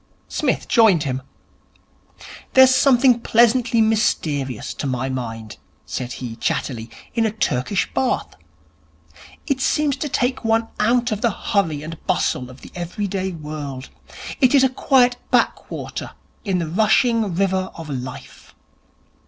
Psmith joined him. 'There's something pleasantly mysterious, to my mind,' said he chattily, 'in a Turkish Bath. It seems to take one out of the hurry and bustle of the everyday world. It is a quiet backwater in the rushing river of Life.